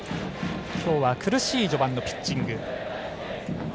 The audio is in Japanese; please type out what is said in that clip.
今日は苦しい序盤のピッチング。